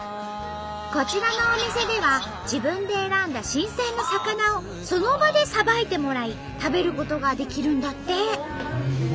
こちらのお店では自分で選んだ新鮮な魚をその場でさばいてもらい食べることができるんだって！